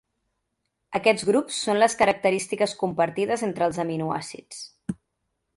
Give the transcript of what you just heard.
Aquests grups són les característiques compartides entre els aminoàcids.